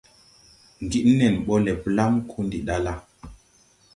Ŋgid nen ɓɔ le blam ko ndi ɗa la.